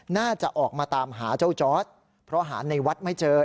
น่าจะออกมาตามหาเจ้าจอร์ดเพราะหาในวัดไม่เจอ